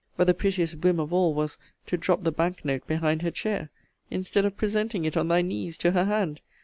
But the prettiest whim of all was, to drop the bank note behind her chair, instead of presenting it on thy knees to her hand!